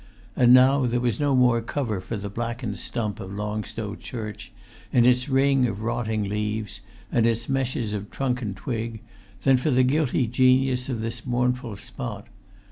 And now there was no more cover for the blackened stump of Long Stow church, in its ring of rotting leaves, and its meshes of trunk and twig, than for the guilty genius of this mournful spot.